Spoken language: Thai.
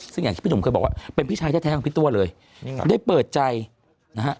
ซึ่งอย่างที่ผมเคยบอกว่าเป็นพี่ชัยแท้ผิดตัวเลยได้เปิดใจนะ